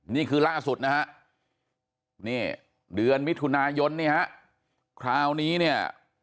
นี่คือล่าสุดนะฮะนี่เดือนมิถุนายนนี่ฮะคราวนี้เนี่ย